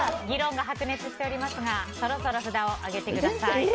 議論が白熱しておりますがそろそろ札を挙げてください。